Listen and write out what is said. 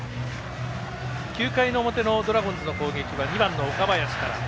９回の表のドラゴンズの攻撃は２番の岡林から。